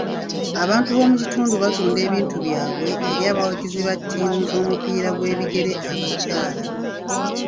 Abantu b'omu kitundu batunda ebintu byabwe eri abawagizi ba ttiimu z'omupiira gw'ebigere abakyala.